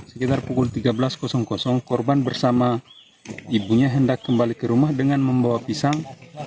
sekitar pukul tiga belas korban bersama ibunya hendak kembali ke rumah dengan membawa pisang